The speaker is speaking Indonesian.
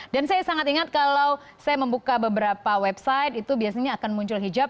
dan saya sangat ingat kalau saya membuka beberapa website itu biasanya akan muncul hijab